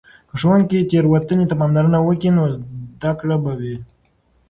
که ښوونکې تیروتنې ته پاملرنه وکړي، نو زده کړه به وي.